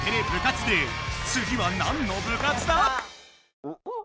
つぎはなんの部活だ